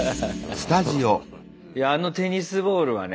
いやあのテニスボールはね